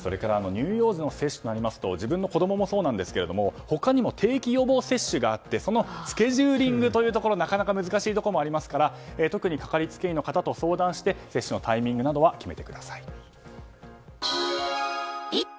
乳幼児の接種となりますと自分も子供もそうですが他にも定期予防接種があってそのスケジューリングがなかなか難しいところがありますから特にかかりつけ医の方と相談して接種のタイミングなどは決めてください。